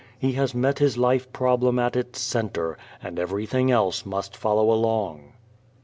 He has met his life problem at its center, and everything else must follow along.